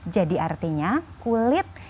jadi artinya kulit ya